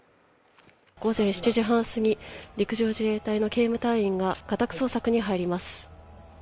午前７時半すぎ、陸上自衛隊の警務隊員が家宅捜索に入ります。